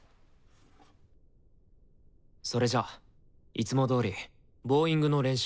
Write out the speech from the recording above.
それじゃいつもどおりボーイングの練習から。